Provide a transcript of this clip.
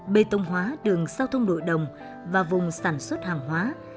bê tông hóa đường giao thông nội đồng và vùng sản xuất hàng hóa